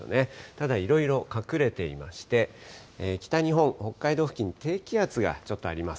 ただいろいろ隠れていまして、北日本、北海道付近、低気圧がちょっとあります。